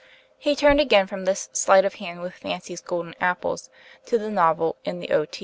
He turned again from this "sleight of hand with Fancy's golden apples," to the novel, in the 'O.